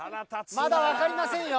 まだわかりませんよ